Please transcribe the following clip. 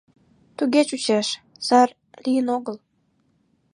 Туге чучеш, сар лийын огыл.